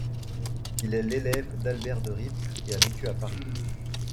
Il est l'élève d'Albert de Rippe et a vécu à Paris.